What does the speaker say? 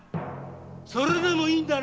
それでもいいんだな！